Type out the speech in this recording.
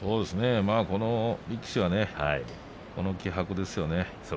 この力士はこの気迫ですよね。